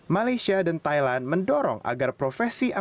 malaysia dan thailand mendorong agar profesi asean